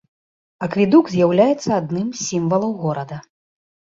Акведук з'яўляецца адным з сімвалаў горада.